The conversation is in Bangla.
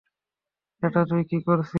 এটা তুই কী করেছিস!